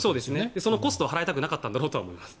そのコストを払いたくなかったんだろうと思います。